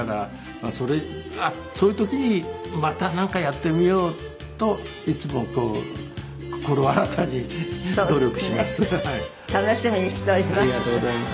そういう時にまたなんかやってみようといつもこう心新たに努力します。